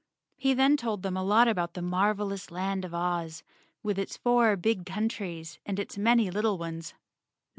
He then told them a lot about the marvelous land of Oz, with its four big countries and its many little ones.